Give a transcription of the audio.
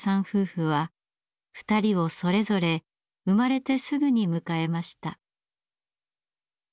夫婦は２人をそれぞれ生まれてすぐに迎えました。